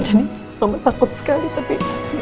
jadi mama takut sekali tapi